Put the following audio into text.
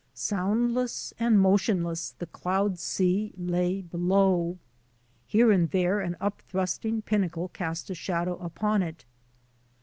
Soundless and motionless the cloud sea lay be low. Here and there an upthrusting pinnacle cast a shadow upon it.